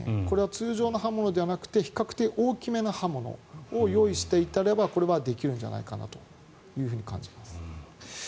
通常の刃物ではなくて比較的大きめの刃物を用意していたらこれはできるんじゃないかなと感じます。